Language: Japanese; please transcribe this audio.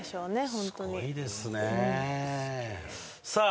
ホントにスゴいですねさあ